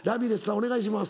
お願いします。